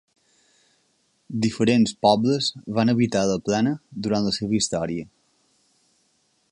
Diferents pobles van habitar la plana durant la seva història.